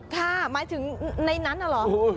ค่ะหมายถึงในนั้นหรอ